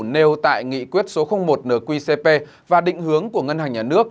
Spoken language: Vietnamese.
nêu tại nghị quyết số một nqcp và định hướng của ngân hàng nhà nước